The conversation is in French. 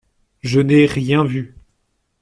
Je n’ai rien vu.